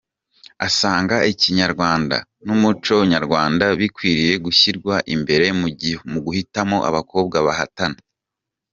Asanga ikinyarwanda n’umuco nyarwanda bikwiriye gushyirwa imbere mu guhitamo abakobwa bahatana.